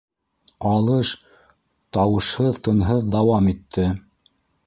Алыш тауышһыҙ-тынһыҙ дауам итте.